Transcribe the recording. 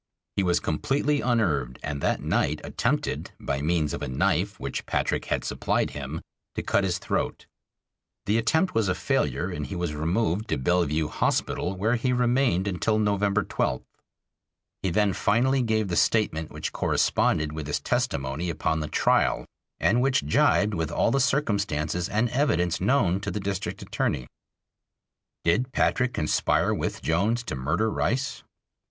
He was completely unnerved and that night attempted, by means of a knife which Patrick had supplied him, to cut his throat. The attempt was a failure, and he was removed to Bellevue Hospital, where he remained until November 12th. He then finally gave the statement which corresponded with his testimony upon the trial and which jibed with all the circumstances and evidence known to the District Attorney. Did Patrick conspire with Jones to murder Rice?